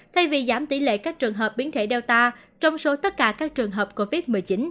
thay vì giảm tỷ lệ các trường hợp biến thể data trong số tất cả các trường hợp covid một mươi chín